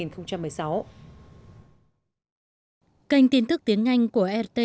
kênh tiến thức tiếng anh của rt